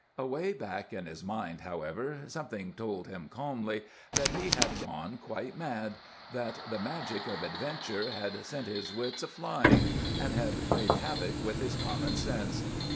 Away back in his mind, however, something told him calmly that he had gone quite mad, that the magic of adventure had sent his wits a flying and had played havoc with his common sense.